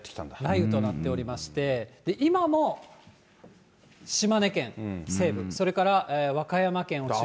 雷雨となっておりまして、今も島根県西部、それから和歌山県を中心に。